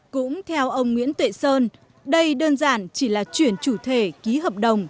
cũng theo ông nguyễn tuệ sơn đây đơn giản chỉ là chuyển chủ thể ký hợp đồng